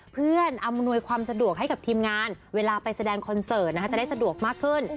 อำนวยความสะดวกให้กับทีมงานเวลาไปแสดงคอนเสิร์ตจะได้สะดวกมากขึ้น